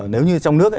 nếu như trong nước